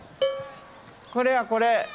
これやこれ！